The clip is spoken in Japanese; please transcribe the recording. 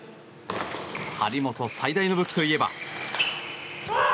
張本最大の武器といえば。